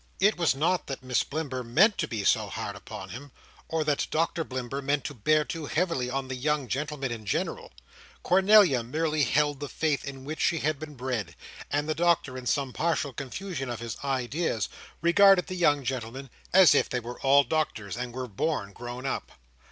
It was not that Miss Blimber meant to be too hard upon him, or that Doctor Blimber meant to bear too heavily on the young gentlemen in general. Cornelia merely held the faith in which she had been bred; and the Doctor, in some partial confusion of his ideas, regarded the young gentlemen as if they were all Doctors, and were born grown up.